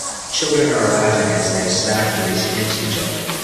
Children are laughing as they sack race against each other.